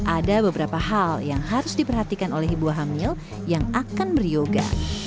ada beberapa hal yang harus diperhatikan oleh ibu hamil yang akan beryoga